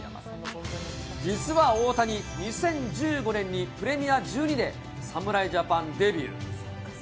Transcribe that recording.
実は大谷、２０１５年にプレミア１２で侍ジャパンデビュー。